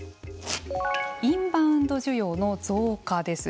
インバウンド需要の増加です。